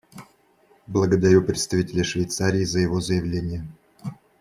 Благодарю представителя Швейцарии за его заявление.